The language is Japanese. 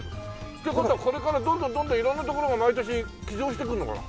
って事はこれからどんどんどんどん色んなところが毎年寄贈してくるのかな？